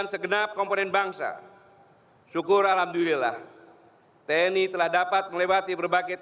semua capaian itu dapat kita raih